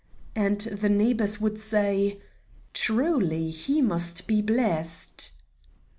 And the neighbors would say: "Truly he must be blessed."